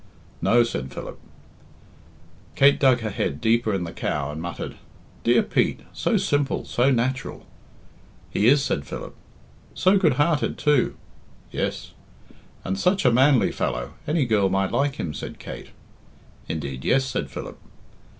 "No," said Philip. Kate dug her head deeper in the cow, and muttered, "Dear Pete! So simple, so natural." "He is," said Philip. "So good hearted, too." "Yes." "And such a manly fellow any girl might like him," said Kate. "Indeed, yes," said Philip.